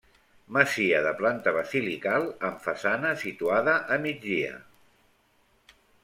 Masia de planta basilical amb façana situada a migdia.